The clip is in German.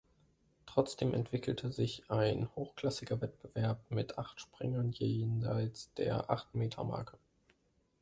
Trotzdem entwickelte sich ein hochklassiger Wettbewerb mit acht Springern jenseits der Acht-Meter-Marke.